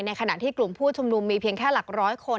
ขณะที่กลุ่มผู้ชุมนุมมีเพียงแค่หลักร้อยคน